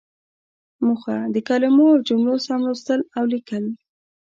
موخه: د کلمو او جملو سم لوستل او ليکل.